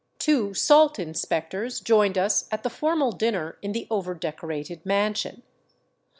Two salt inspectors joined us at the for mal dinner in the overdecorated mansion.